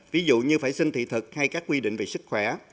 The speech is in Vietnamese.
ví dụ như phải xin thị thực hay các quy định về sức khỏe